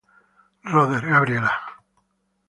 Rother, Gabriela.